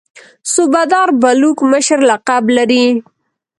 صوبه دار بلوک مشر لقب لري.